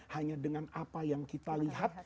hanya dengan apa yang kita lihat